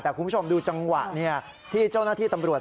แต่คุณผู้ชมดูจังหวะที่เจ้าหน้าที่ตำรวจ